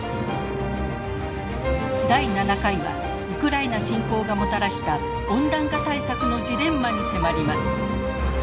第７回はウクライナ侵攻がもたらした温暖化対策のジレンマに迫ります。